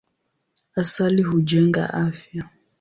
Asali hujenga afya.